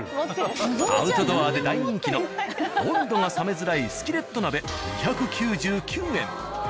アウトドアで大人気の温度が冷めづらいスキレット鍋２９９円。